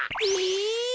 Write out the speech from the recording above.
え！